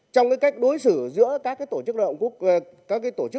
trong cách đối xử giữa các tổ chức lao động quốc tế